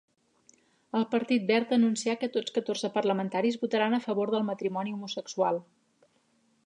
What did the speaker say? El Partit Verd anuncià que tots catorze parlamentaris votaran a favor del matrimoni homosexual.